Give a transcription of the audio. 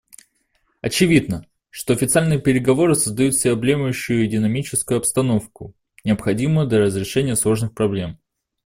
Очевидно, что официальные переговоры создадут всеобъемлющую и динамичную обстановку, необходимую для разрешения сложных проблем.